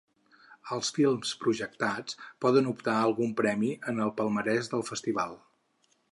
Els films projectats poden optar a algun premi en el palmarès del festival.